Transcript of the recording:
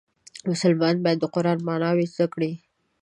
مسلمان باید د قرآن معنا زده کړي.